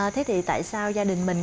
thế thì tại sao gia đình mình